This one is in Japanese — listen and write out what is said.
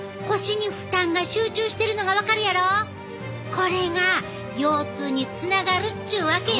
これが腰痛につながるっちゅうわけよ！